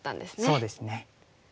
そうですね。